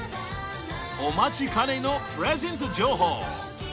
お待ちかねのプレゼント情報